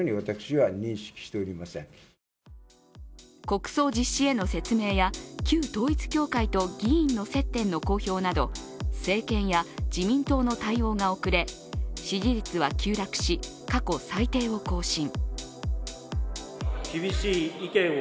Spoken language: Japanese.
国葬実施への説明や旧統一教会と議員の接点の公表など政権や自民党の対応が遅れ支持率は急落し過去最低を更新。